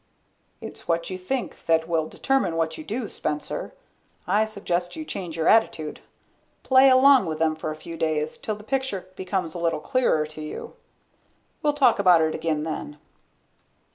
"It's what you think that will determine what you do, Spencer. I suggest you change your attitude; play along with them for a few days till the picture becomes a little clearer to you. We'll talk about it again then."